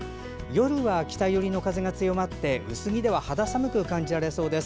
夜は北寄りの風が強まって薄着では肌寒く感じられそうです。